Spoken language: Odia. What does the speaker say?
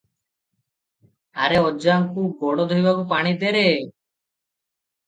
ଆରେ ଅଜାଙ୍କୁ ଗୋଡ଼ ଧୋଇବାକୁ ପାଣି ଦେ ରେ ।